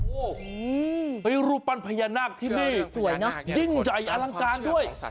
โอ้โหฮือรูปปันพญานาคที่นี่สวยเนอะยิ่งใหญ่อลังการด้วย